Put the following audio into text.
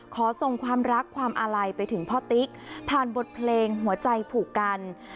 ขอส่งความรักความอาลัยไปถึงพ่อติ๊กผ่านบทเพลงหัวใจผูกกัน